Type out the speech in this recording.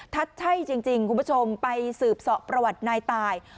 ถ้าใช่จริงคุณผู้ชมไปสืบสอบประวัตินายตาย